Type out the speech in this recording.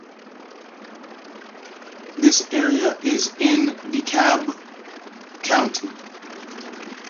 This area is in DeKalb County.